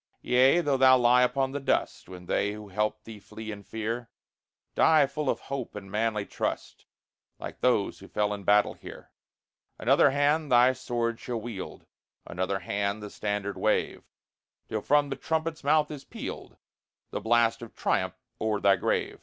Yea, though thou lie upon the dust, When they who helped thee flee in fear, Die full of hope and manly trust, Like those who fell in battle here! Another hand thy sword shall wield, Another hand the standard wave, Till from the trumpet's mouth is pealed The blast of triumph o'er thy grave.